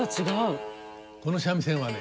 この三味線はね